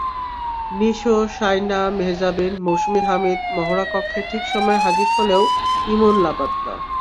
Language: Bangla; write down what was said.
নিশো, শায়না, মেহজাবিন, মৌসুমী হামিদ মহড়াকক্ষে ঠিক সময়ে হাজির হলেও ইমন লাপাত্তা।